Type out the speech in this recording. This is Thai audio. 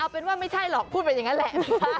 เป็นว่าไม่ใช่หรอกพูดเป็นอย่างนั้นแหละ